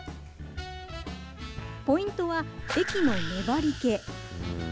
ポイントは、液の粘り気。